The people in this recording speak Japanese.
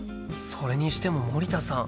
それにしても森田さん